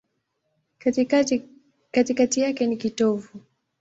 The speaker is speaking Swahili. Katikati yake ni kitovu.